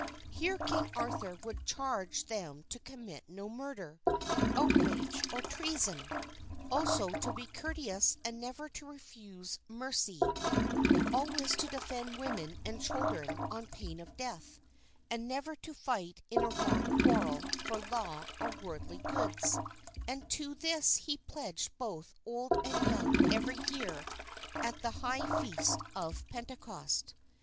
Here King Arthur would charge them to commit no murder, outrage, or treason; also to be courteous and never to refuse mercy; always to defend women and children on pain of death; and never to fight in a wrong quarrel for law or worldly goods; and to this he pledged both old and young every year at the high feast of Pentecost.